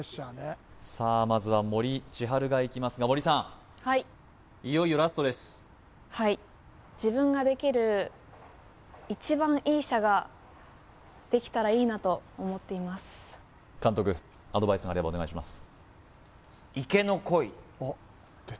まずは森千晴がいきますが森さんはいいよいよラストですはいができたらいいなと思っています監督アドバイスがあればお願いします